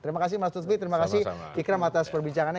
terima kasih mas lutfi terima kasih ikram atas perbincangannya